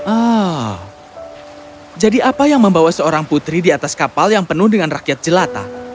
ah jadi apa yang membawa seorang putri di atas kapal yang penuh dengan rakyat jelata